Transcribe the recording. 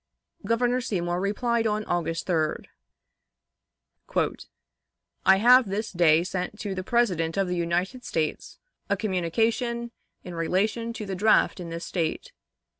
Governor Seymour replied on August 3d: "I have this day sent to the President of the United States a communication in relation to the draft in this State.